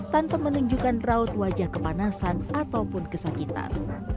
tanpa menunjukkan raut wajah kepanasan ataupun kesakitan